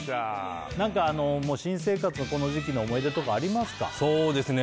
何か新生活のこの時期の思い出とかありますかそうですね